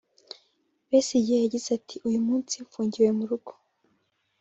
Besigye yagize ati “Uyu munsi mfungiwe mu rugo